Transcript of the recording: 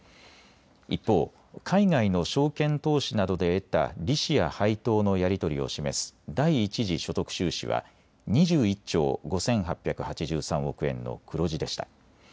一方、海外の証券投資などで得た利子や配当のやり取りを示す第一次所得収支は２１兆５８８３億円の黒字でした。